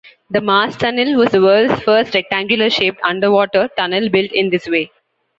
The Maastunnel was the world's first rectangular shaped underwater tunnel built in this way.